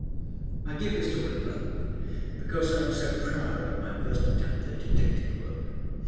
I give this talk at length, because I am so proud of my first attempt at detective work.